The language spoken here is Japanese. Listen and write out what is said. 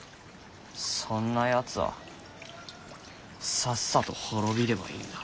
そんなやつはさっさと滅びればいいんだ。